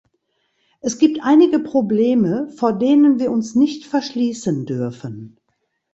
Es gibt einige Probleme, vor denen wir uns nicht verschließen dürfen.